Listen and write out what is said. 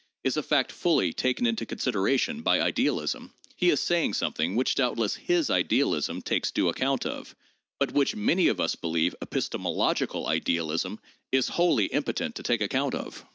is a fact fully taken into consideration by idealism,' he is saying something which doubtless his idealism takes due account of, but which many of us believe epistemological idealism is wholly impotent to take account of.